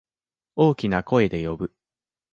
大きな声で呼ぶ。